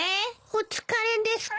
お疲れですか。